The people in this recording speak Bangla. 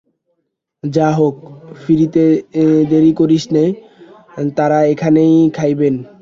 যা হোক, ফিরিতে দেরি করিস নে, তাঁরা এখানেই খাইবেন।